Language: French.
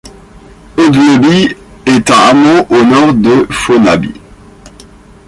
Audleby est un hameau au nord de Fonaby.